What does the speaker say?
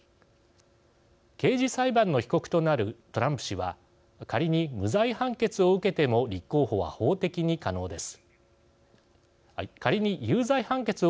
刑事裁判の被告となるトランプ氏は仮に有罪判決を受けても立候補は法的に可能です。